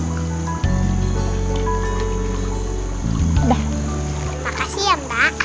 makasih ya mbak